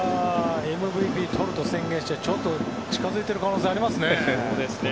ＭＶＰをとると宣言して近づいている可能性があります。